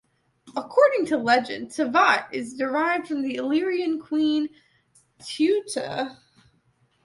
According to legend, "Tivat" is derived from Illyrian queen Teuta.